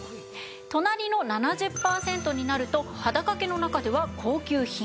隣の７０パーセントになると肌掛けの中では高級品。